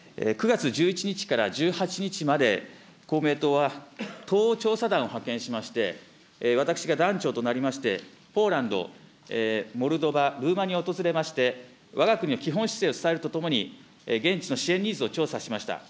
９月１１日から１８日まで、公明党は東欧調査団を派遣しまして、私が団長となりまして、ポーランド、モルドバ、ルーマニアを訪れまして、わが国の基本姿勢を伝えるとともに、現地の支援ニーズを調査しました。